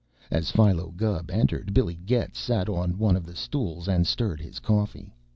As Philo Gubb entered, Billy Getz sat on one of the stools and stirred his coffee.